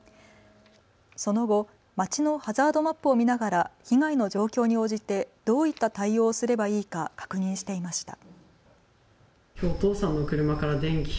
その後、町のハザードマップを見ながら被害の状況に応じてどういった対応をすればいいか確認していました。